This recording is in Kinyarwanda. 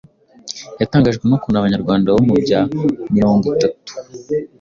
yatangajwe n'ukuntu Abanyarwanda bo mu bya mirongo itatu